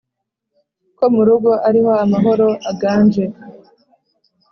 ko mu rugo ariho amahoro aganje*